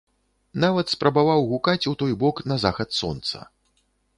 Нават спрабаваў гукаць у той бок на захад сонца.